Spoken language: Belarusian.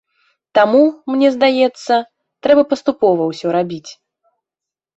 Таму, мне здаецца, трэба паступова ўсё рабіць.